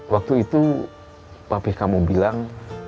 waktu itu pabrik kamu bilang